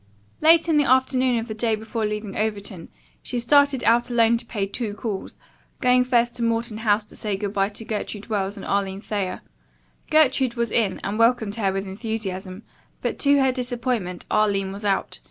Late in the afternoon of the day before leaving Overton, she started out alone to pay two calls, going first to Morton House to say good bye to Gertrude Wells and Arline Thayer. Gertrude was in and welcomed her with enthusiasm, but, to her disappointment, Arline was out.